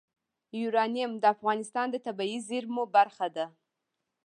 یورانیم د افغانستان د طبیعي زیرمو برخه ده.